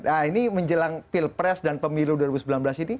nah ini menjelang pilpres dan pemilu juga